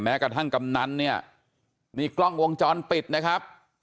กระทั่งกำนันเนี่ยนี่กล้องวงจรปิดนะครับ